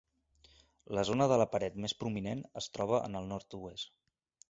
La zona de la paret més prominent es troba en el nord-oest.